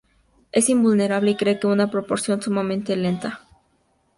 Es invulnerable y crece a una proporción sumamente lenta.